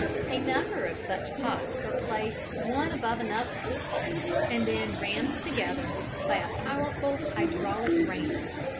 A number of such pots are placed one above another, and then rammed together by a powerful hydraulic ram.